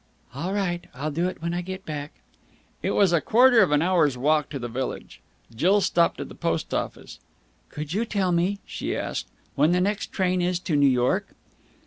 "All right. I'll do it when I get back." It was a quarter of an hour's walk to the village. Jill stopped at the post office. "Could you tell me," she asked, "when the next train is to New York?"